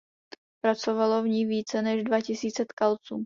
Pracovalo v ní více než dva tisíce tkalců.